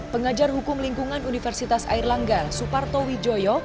pengajar hukum lingkungan universitas air langgar suparto widjoyo